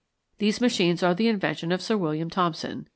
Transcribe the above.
These machines are the invention of Sir William Thomson.